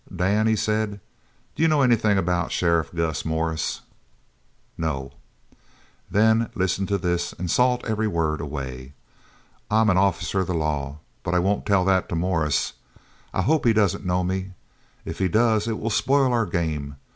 "Dan," he said, "do you know anything about Sheriff Gus Morris?" "No" "Then listen to this and salt every word away. I'm an officer of the law, but I won't tell that to Morris. I hope he doesn't know me. If he does it will spoil our game.